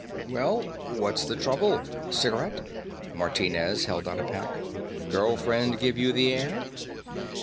"Well, what's the trouble? Cigarette?" Martinez held out a pack. "Girl friend give you the air?"